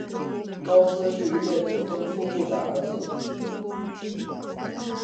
高斯是一对普通夫妇的儿子。